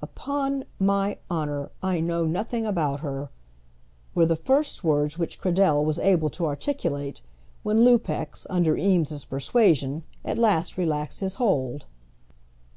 "Upon my honour I know nothing about her," were the first words which Cradell was able to articulate, when Lupex, under Eames's persuasion, at last relaxed his hold.